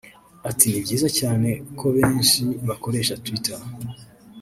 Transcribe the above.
Ati “Ni byiza cyane ko benshi bakoresha Twiter